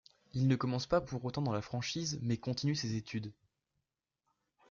Il ne commence pas pour autant dans la franchise mais continue ses études.